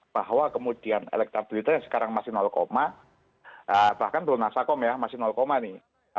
bahwa kemudian elektabilitasnya sekarang masih bahkan belum nasakom ya masih nih